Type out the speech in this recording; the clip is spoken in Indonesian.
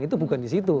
itu bukan disitu